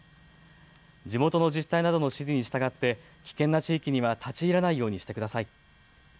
地元の自治体などの指示に従って危険な地域には立ち入らないようにしてください。